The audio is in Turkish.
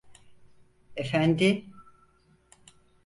Efendi?